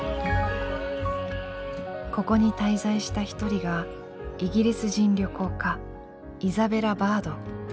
ここに滞在した一人がイギリス人旅行家イザベラ・バード。